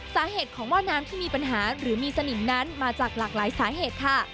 สาเหตุของหม้อน้ำที่มีปัญหาหรือมีสนิมนั้นมาจากหลากหลายสาเหตุค่ะ